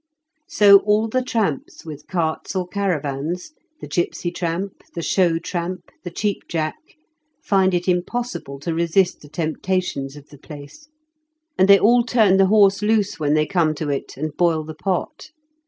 So, all the tramps with carts or caravans — the gipsy tramp, the show tramp, the cheap Jack — ^find it impossible to resist the temptations of the place ; and they all turn the horse loose when they come to it, and boil the pot.